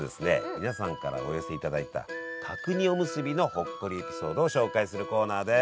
皆さんからお寄せいただいた角煮おむすびのほっこりエピソードを紹介するコーナーです！